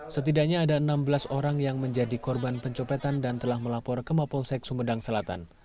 setidaknya ada enam belas orang yang menjadi korban pencopetan dan telah melapor ke mapolsek sumedang selatan